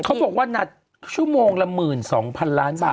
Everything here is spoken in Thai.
เขาบอกว่านัดชั่วโมงละ๑๒๐๐๐ล้านบาท